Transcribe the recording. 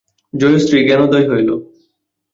জয়শ্রীর জ্ঞানোদয় হইল।